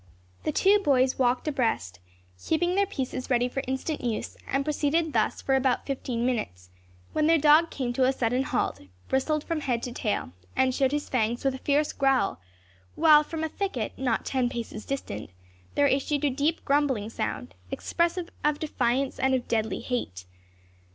The two boys walked abreast, keeping their pieces ready for instant use, and proceeded thus for about fifteen minutes, when their dog came to a sudden halt, bristled from head to tail, and showed his fangs with a fierce growl; while from a thicket, not ten paces distant, there issued a deep grumbling sound, expressive of defiance and of deadly hate.